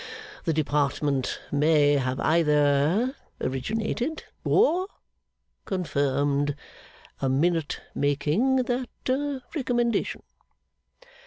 The Department may have either originated, or confirmed, a Minute making that recommendation.